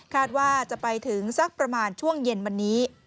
ว่าจะไปถึงสักประมาณช่วงเย็นวันนี้